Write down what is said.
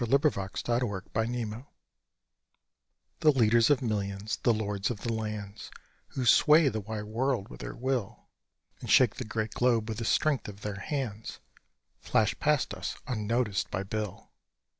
Bill the Bullock Driver The leaders of millions, the lords of the lands, Who sway the wide world with their will And shake the great globe with the strength of their hands, Flash past us unnoticed by Bill.